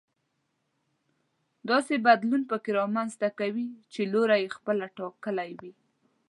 داسې بدلون پکې رامنځته کوي چې لوری يې خپله ټاکلی وي.